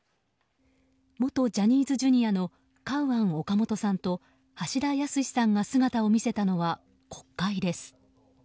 元ジャニーズＪｒ．のカウアン・オカモトさんと橋田康さんが姿を見せたのは国会です。